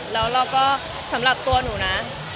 แล้วเราก็สำหรับตัวหนูนะ